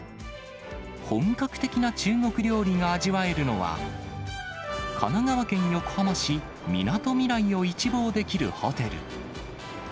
本格的な中国料理が味わえるのは、神奈川県横浜市みなとみらいを一望できるホテル。